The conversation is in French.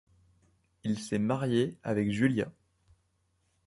Il s'est marié avec Julia.